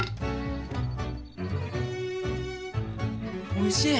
おいしい。